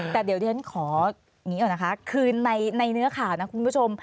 แต่เดี๋ยวที่ฉันขออย่างนี้ก่อนนะคะคือในเนื้อข่าวนะคุณผู้ชม